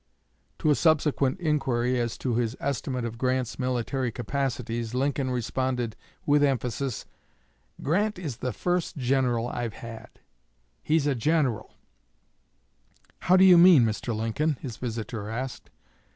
To a subsequent inquiry as to his estimate of Grant's military capacities, Lincoln responded, with emphasis: "Grant is the first General I've had. He's a General." "How do you mean, Mr. Lincoln?" his visitor asked.